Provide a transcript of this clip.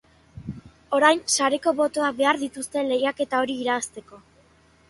Orain sareko botoak behar dituzte lehiaketa hori irabazteko.